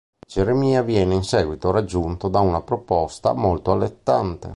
Geremia viene in seguito raggiunto da una proposta molto allettante.